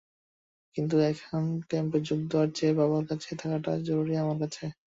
কিন্তু এখন ক্যাম্পে যোগ দেওয়ার চেয়ে বাবার পাশে থাকাটাই জরুরি আমার কাছে।